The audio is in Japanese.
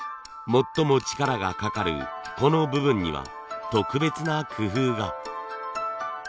最も力がかかるこの部分には特別な工夫が。